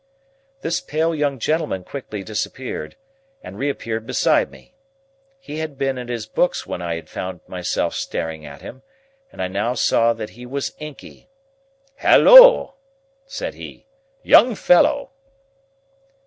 This pale young gentleman quickly disappeared, and reappeared beside me. He had been at his books when I had found myself staring at him, and I now saw that he was inky. "Halloa!" said he, "young fellow!"